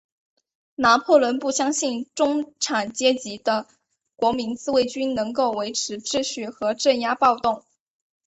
拿破仑不相信中产阶级的国民自卫军能够维持秩序和镇压暴动。